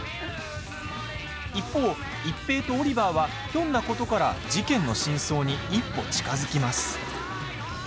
一方、一平とオリバーはひょんなことから事件の真相に一歩、近づきます。